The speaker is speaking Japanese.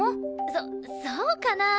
そそうかなあ？